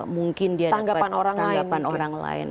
mungkin dia dapat tanggapan orang lain